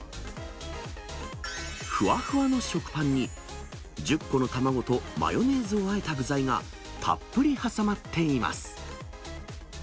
ふわふわの食パンに、１０個の卵とマヨネーズをあえた具材がたっぷり挟まっています。